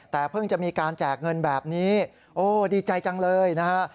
แต่เพิ่งจะมีการแจกเงินแบบนี้โอ้ดีใจจังเลยนะฮะ